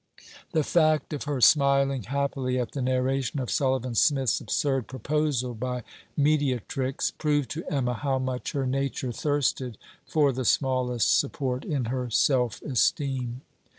The fact of her smiling happily at the narration of Sullivan Smith's absurd proposal by mediatrix, proved to Emma how much her nature thirsted for the smallest support in her self esteem.